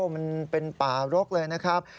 มันเป็นป่ารกเลยนะครับ